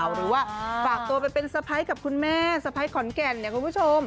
หรือว่าฝากตัวไปเป็นสะพ้ายกับคุณแม่สะพ้ายขอนแก่นเนี่ยคุณผู้ชม